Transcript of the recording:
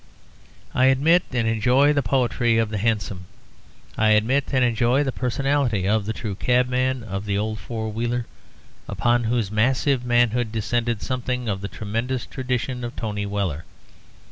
I admit and enjoy the poetry of the hansom; I admit and enjoy the personality of the true cabman of the old four wheeler, upon whose massive manhood descended something of the tremendous tradition of Tony Weller.